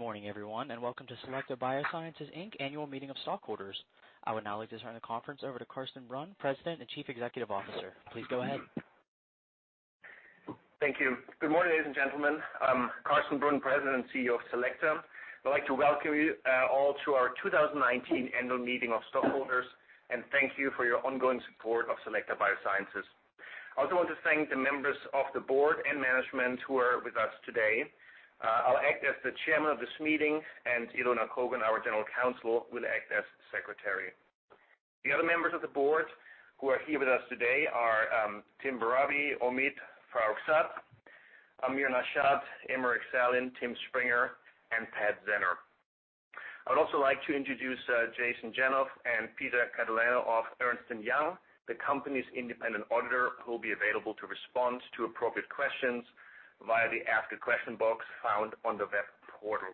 Good morning, everyone, and welcome to Selecta Biosciences Inc. Annual Meeting of Stockholders. I would now like to turn the conference over to Carsten Brunn, President and Chief Executive Officer. Please go ahead. Thank you. Good morning, ladies and gentlemen. I'm Carsten Brunn, President and CEO of Selecta. I'd like to welcome you all to our 2019 Annual Meeting of Stockholders, and thank you for your ongoing support of Selecta Biosciences. I also want to thank the members of the board and management who are with us today. I'll act as the chairman of this meeting, and Ilona Kogan, our General Counsel, will act as Secretary. The other members of the board who are here with us today are Tim Barabe, Omid Farokhzad, Amir Nashat, Aymeric Sallin, Tim Springer, and Pat Zenner. I would also like to introduce Jason Janoff and Peter Catalano of Ernst & Young, the company's independent auditor, who will be available to respond to appropriate questions via the Ask a Question box found on the web portal.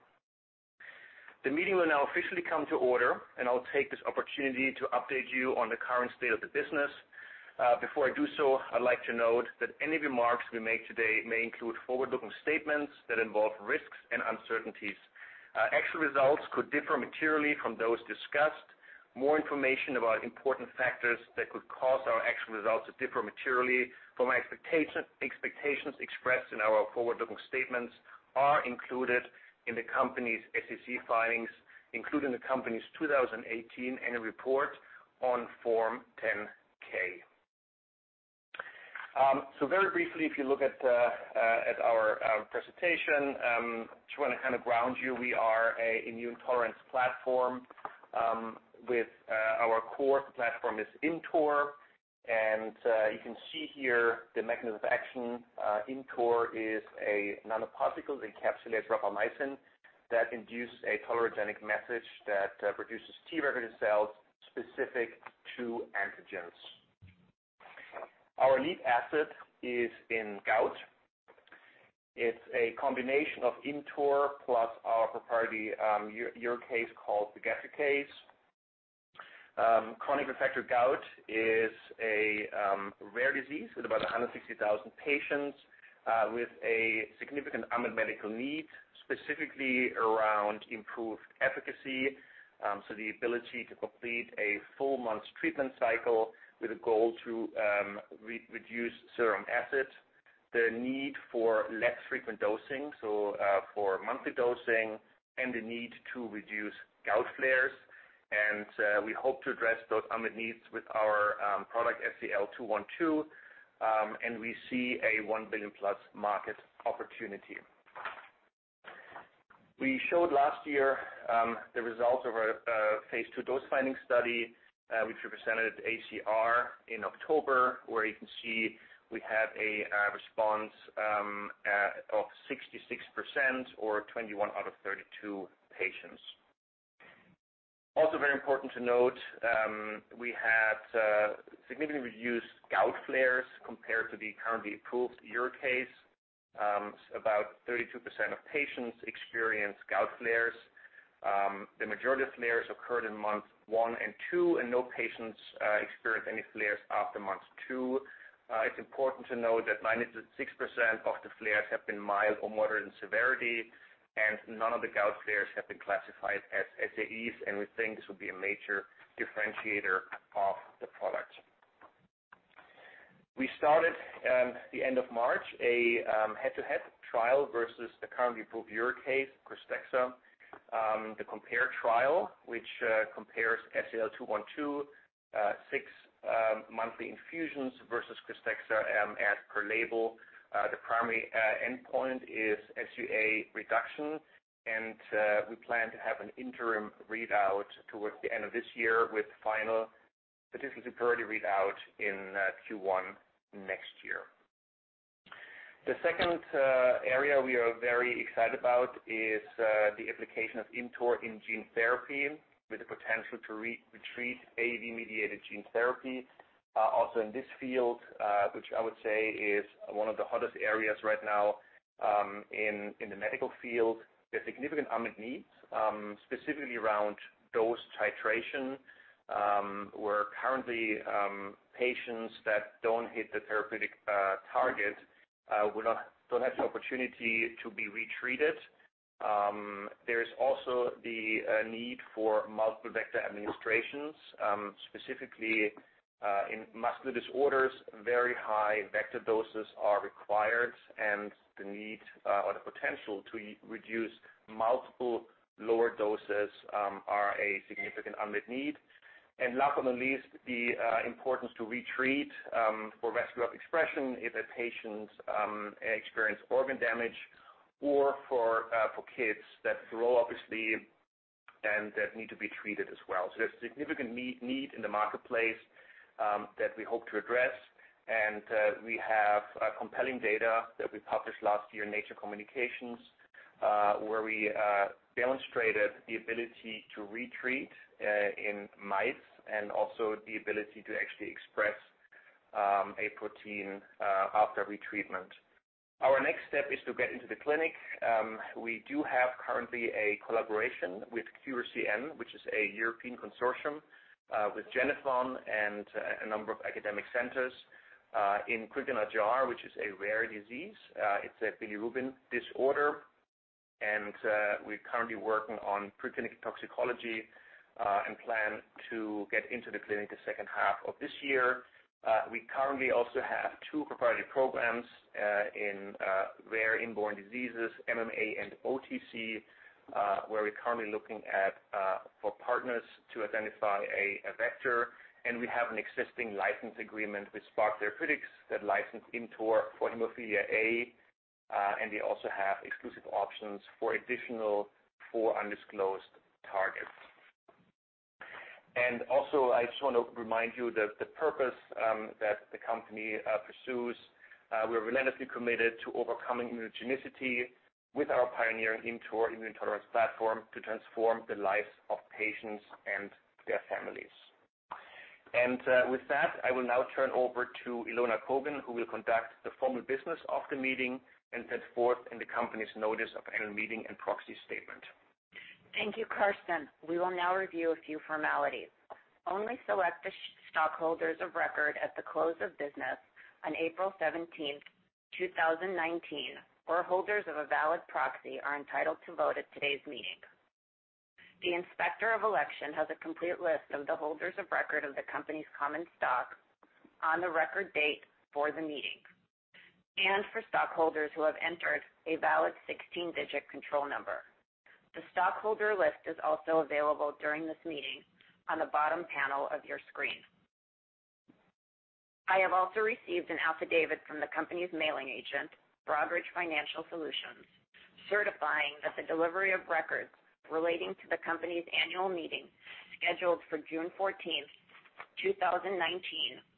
The meeting will now officially come to order. I'll take this opportunity to update you on the current state of the business. Before I do so, I'd like to note that any remarks we make today may include forward-looking statements that involve risks and uncertainties. Actual results could differ materially from those discussed. More information about important factors that could cause our actual results to differ materially from expectations expressed in our forward-looking statements are included in the company's SEC filings, including the company's 2018 annual report on Form 10-K. Very briefly, if you look at our presentation, just want to ground you. We are an immune tolerance platform with our core platform is ImmTOR. You can see here the mechanism of action. ImmTOR is a nanoparticle that encapsulates rapamycin that induces a tolerogenic message that produces T regulatory cells specific to antigens. Our lead asset is in gout. It's a combination of ImmTOR plus our proprietary uricase called pegadricase. Chronic refractory gout is a rare disease with about 160,000 patients, with a significant unmet medical need, specifically around improved efficacy. The ability to complete a full month's treatment cycle with a goal to reduce serum uric acid, the need for less frequent dosing, so for monthly dosing, and the need to reduce gout flares. We hope to address those unmet needs with our product, SEL-212. We see a $1 billion-plus market opportunity. We showed last year the results of our phase II dose-finding study, which we presented at ACR in October, where you can see we have a response of 66% or 21 out of 32 patients. Also very important to note, we had significantly reduced gout flares compared to the currently approved uricase. About 32% of patients experienced gout flares. The majority of flares occurred in months one and two, and no patients experienced any flares after month two. It's important to note that 96% of the flares have been mild or moderate in severity, none of the gout flares have been classified as SAEs, and we think this will be a major differentiator of the product. We started at the end of March a head-to-head trial versus the currently approved uricase, KRYSTEXXA, the COMPARE trial, which compares SEL-212 six-monthly infusions versus KRYSTEXXA as per label. The primary endpoint is SUA reduction, and we plan to have an interim readout towards the end of this year with final statistical priority readout in Q1 next year. The second area we are very excited about is the application of ImmTOR in gene therapy with the potential to retreat AAV-mediated gene therapy. In this field, which I would say is one of the hottest areas right now in the medical field, there's significant unmet needs, specifically around dose titration, where currently patients that don't hit the therapeutic target don't have the opportunity to be retreated. There is also the need for multiple vector administrations, specifically in muscular disorders, very high vector doses are required and the need or the potential to reduce multiple lower doses are a significant unmet need. Last but not least, the importance to retreat for rescue of expression if a patient experience organ damage or for kids that grow, obviously, and that need to be treated as well. There's significant need in the marketplace that we hope to address, and we have compelling data that we published last year in "Nature Communications," where we demonstrated the ability to retreat in mice and also the ability to actually express a protein after retreatment. Our next step is to get into the clinic. We do have currently a collaboration with CureCN, which is a European consortium with Genethon and a number of academic centers in Crigler-Najjar, which is a rare disease. It's a bilirubin disorder. And we're currently working on pre-clinical toxicology and plan to get into the clinic the second half of this year. We currently also have two proprietary programs in rare inborn diseases, MMA and OTC, where we're currently looking for partners to identify a vector, we have an existing license agreement with Spark Therapeutics that license ImmTOR for hemophilia A, and we also have exclusive options for additional four undisclosed targets. I just want to remind you that the purpose that the company pursues, we're relentlessly committed to overcoming immunogenicity with our pioneering ImmTOR immune tolerance platform to transform the lives of patients and their families. With that, I will now turn over to Ilona Kogan, who will conduct the formal business of the meeting and set forth in the company's notice of annual meeting and proxy statement. Thank you, Carsten. We will now review a few formalities. Only Selecta stockholders of record at the close of business on April 17th, 2019, or holders of a valid proxy are entitled to vote at today's meeting. The Inspector of Election has a complete list of the holders of record of the company's common stock on the record date for the meeting, and for stockholders who have entered a valid 16-digit control number. The stockholder list is also available during this meeting on the bottom panel of your screen. I have also received an affidavit from the company's mailing agent, Broadridge Financial Solutions, certifying that the delivery of records relating to the company's annual meeting, scheduled for June 14th, 2019,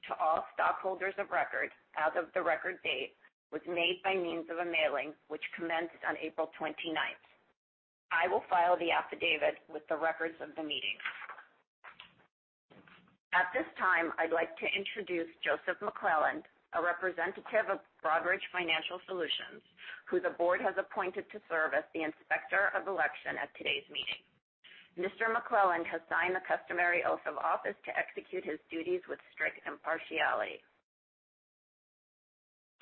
to all stockholders of record as of the record date, was made by means of a mailing which commenced on April 29th. I will file the affidavit with the records of the meeting. At this time, I'd like to introduce Joseph McClelland, a representative of Broadridge Financial Solutions, who the board has appointed to serve as the Inspector of Election at today's meeting. Mr. McClelland has signed the customary oath of office to execute his duties with strict impartiality.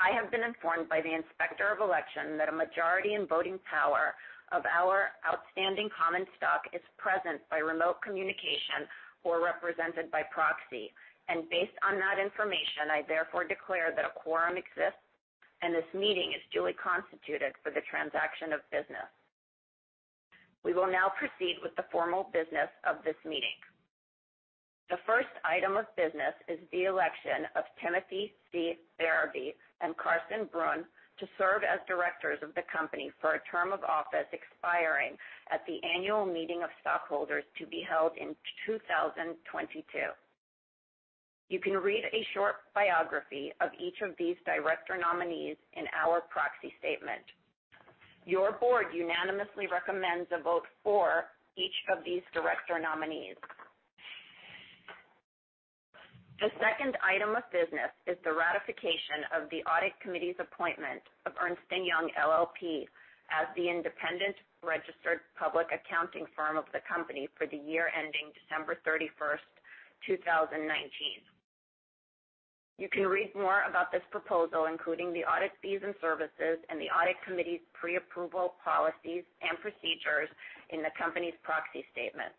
I have been informed by the Inspector of Election that a majority in voting power of our outstanding common stock is present by remote communication or represented by proxy, and based on that information, I therefore declare that a quorum exists, and this meeting is duly constituted for the transaction of business. We will now proceed with the formal business of this meeting. The first item of business is the election of Timothy C. Barabe and Carsten Brunn to serve as directors of the company for a term of office expiring at the annual meeting of stockholders to be held in 2022. You can read a short biography of each of these director nominees in our proxy statement. Your board unanimously recommends a vote for each of these director nominees. The second item of business is the ratification of the Audit Committee's appointment of Ernst & Young LLP as the independent registered public accounting firm of the company for the year ending December 31st, 2019. You can read more about this proposal, including the audit fees and services and the Audit Committee's pre-approval policies and procedures in the company's proxy statement.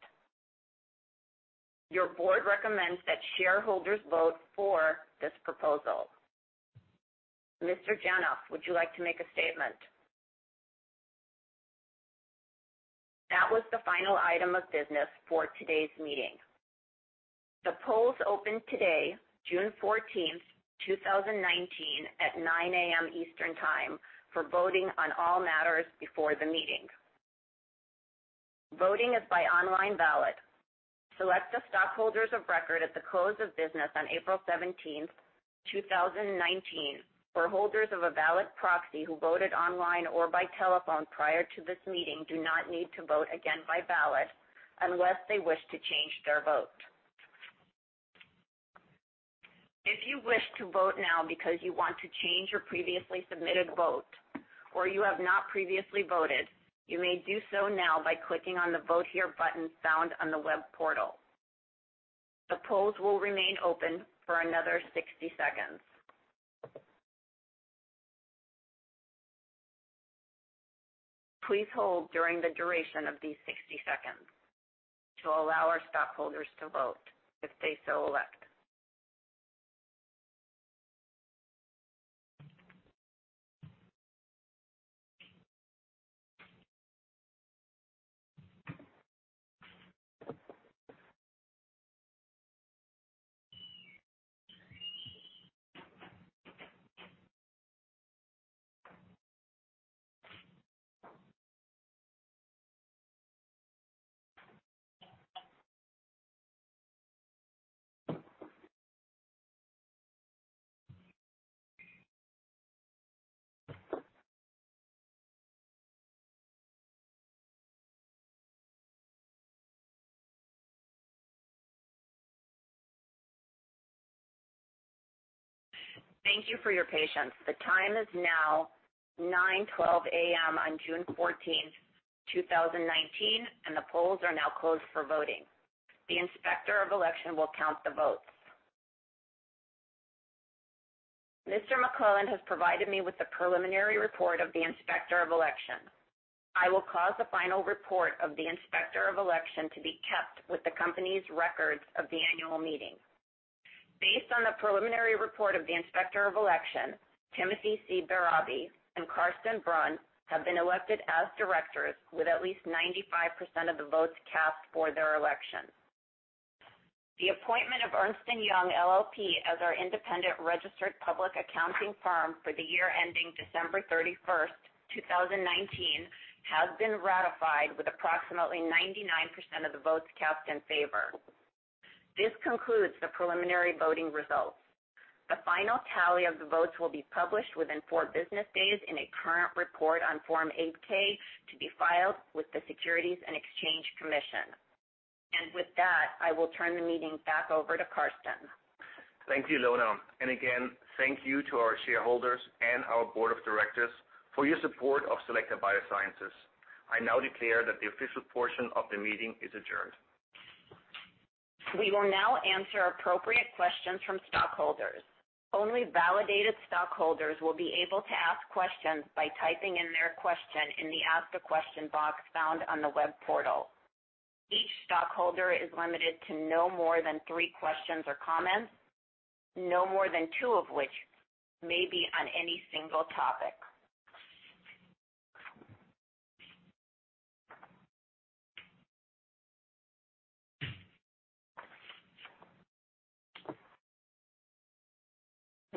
Your board recommends that shareholders vote for this proposal. Mr. Jenoff, would you like to make a statement? That was the final item of business for today's meeting. The polls opened today, June 14th, 2019, at 9:00 A.M. Eastern Time for voting on all matters before the meeting. Voting is by online ballot. Selecta stockholders of record at the close of business on April 17th, 2019, or holders of a valid proxy who voted online or by telephone prior to this meeting do not need to vote again by ballot unless they wish to change their vote. If you wish to vote now because you want to change your previously submitted vote or you have not previously voted, you may do so now by clicking on the Vote Here button found on the web portal. The polls will remain open for another 60 seconds. Please hold during the duration of these 60 seconds to allow our stockholders to vote if they so elect. Thank you for your patience. The time is now 9:12 A.M. on June 14th, 2019, the polls are now closed for voting. The Inspector of Election will count the votes. Mr. McClelland has provided me with the preliminary report of the Inspector of Election. I will cause the final report of the Inspector of Election to be kept with the company's records of the annual meeting. Based on the preliminary report of the Inspector of Election, Timothy C. Barabe and Carsten Brunn have been elected as directors with at least 95% of the votes cast for their election. The appointment of Ernst & Young LLP as our independent registered public accounting firm for the year ending December 31st, 2019, has been ratified with approximately 99% of the votes cast in favor. This concludes the preliminary voting results. The final tally of the votes will be published within four business days in a current report on Form 8-K to be filed with the Securities and Exchange Commission. With that, I will turn the meeting back over to Carsten. Thank you, Ilona. Again, thank you to our shareholders and our board of directors for your support of Selecta Biosciences. I now declare that the official portion of the meeting is adjourned. We will now answer appropriate questions from stockholders. Only validated stockholders will be able to ask questions by typing in their question in the Ask a Question box found on the web portal. Each stockholder is limited to no more than three questions or comments, no more than two of which may be on any single topic.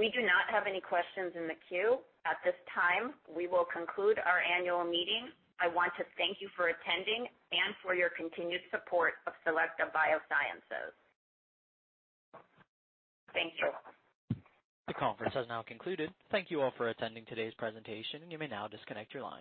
We do not have any questions in the queue. At this time, we will conclude our annual meeting. I want to thank you for attending and for your continued support of Selecta Biosciences. Thank you. The conference has now concluded. Thank you all for attending today's presentation. You may now disconnect your line.